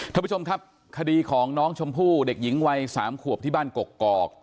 ท่านผู้ชมครับคดีของน้องชมพู่เด็กหญิงวัย๓ขวบที่บ้านกกอก